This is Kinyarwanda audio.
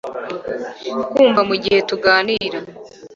Kumva mugihe tuganira